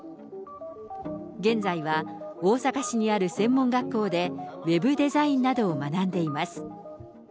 現在は大阪市にある専門学校で、ウェブデザインなどを学んでいます。